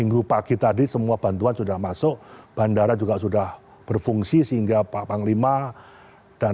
minggu pagi tadi semua bantuan sudah masuk bandara juga sudah berfungsi sehingga pak panglima dan rombongan pak menko sabtu siang juga bisa landing